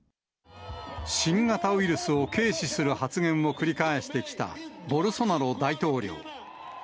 新型ウイルスを軽視する発言を繰り返してきたボルソナロ大統領。